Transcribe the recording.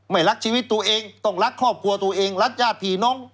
ไม่รักชีวิตตัวเองต้องรักครอบครัวตัวเองรักญาติผีน้อง